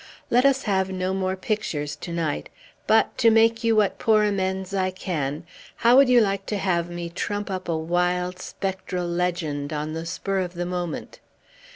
Let us have no more pictures to night; but, to make you what poor amends I can, how would you like to have me trump up a wild, spectral legend, on the spur of the moment?"